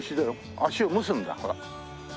足を蒸すんだほら。